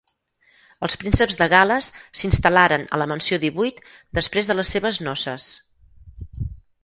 Els prínceps de Gal·les s'instal·laren a la mansió divuit després de les seves noces.